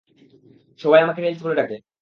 সবাই আমাকে টেইলস বলে ডাকে।